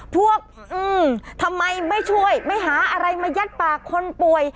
พวกทำไมไม่ช่วยไม่หาอะไรมายัดปากคนป่วย